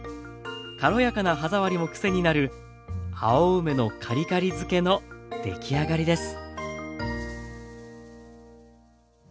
軽やかな歯触りもクセになる青梅のカリカリ漬けのできあがりです。